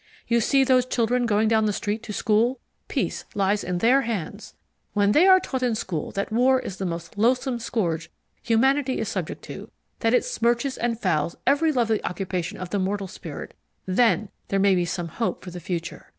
You see those children going down the street to school? Peace lies in their hands. When they are taught in school that war is the most loathsome scourge humanity is subject to, that it smirches and fouls every lovely occupation of the mortal spirit, then there may be some hope for the future.